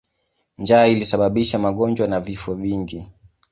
Njaa ilisababisha magonjwa na vifo vingi.